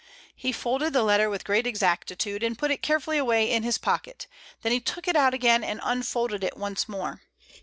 He folded the letter with great exactitude, and put it carefully away in his pocket, then he took it out again and unfolded it once more.